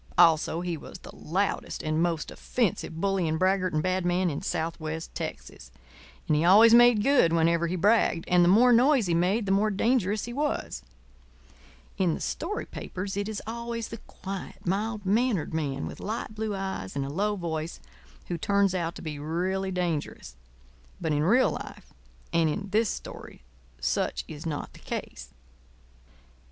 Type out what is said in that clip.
Also he was the loudest and most offensive bully and braggart and bad man in southwest Texas. And he always made good whenever he bragged; and the more noise he made the more dangerous he was. In the story papers it is always the quiet, mild mannered man with light blue eyes and a low voice who turns out to be really dangerous; but in real life and in this story such is not the case.